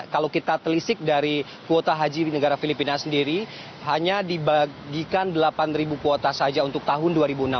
kalau kita telisik dari kuota haji negara filipina sendiri hanya dibagikan delapan kuota saja untuk tahun dua ribu enam belas